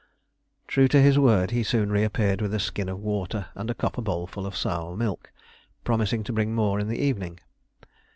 True to his word, he soon reappeared with a skin of water and a copper bowl full of sour milk, promising to bring more in the evening.